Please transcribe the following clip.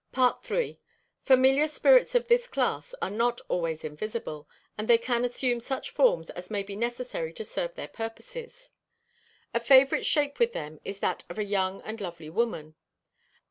III. Familiar spirits of this class are not always invisible; and they can assume such forms as may be necessary to serve their purposes. A favourite shape with them is that of a young and lovely woman.